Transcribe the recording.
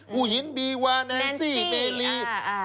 ผู้หญิงบีวาแนนซี่เมลี